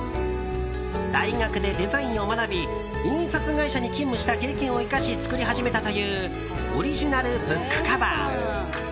大学でデザインを学び印刷会社に勤務した経験を生かし作り始めたというオリジナルブックカバー。